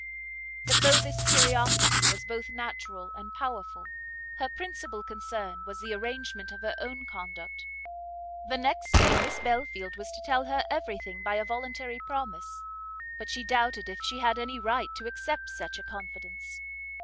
But though this curiosity was both natural and powerful, her principal concern was the arrangement of her own conduct; the next day Miss Belfield was to tell her every thing by a voluntary promise; but she doubted if she had any right to accept such a confidence.